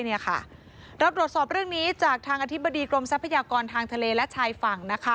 เราตรวจสอบเรื่องนี้จากทางอธิบดีกรมทรัพยากรทางทะเลและชายฝั่ง